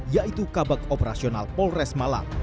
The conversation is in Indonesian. yaitu kabak operasional polres malang